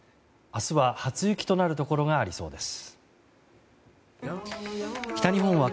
明日は初雪となるところがありそうです。